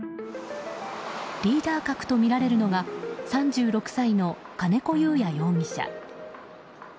リーダー格とみられるのが３６歳の金子祐也容疑者。